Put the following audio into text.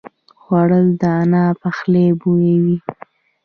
خوړل د انا پخلی بویوي